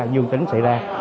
dương tính xảy ra